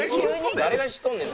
誰がしとんねん。